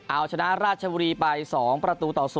เอาชนะราชบุรีไป๒ประตูต่อ๐